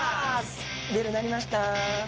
ベル鳴りました。